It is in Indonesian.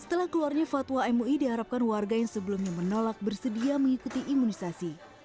setelah keluarnya fatwa mui diharapkan warga yang sebelumnya menolak bersedia mengikuti imunisasi